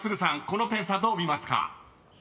この点差どう見ますか？］